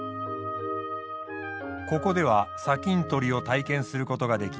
ここでは砂金採りを体験することができます。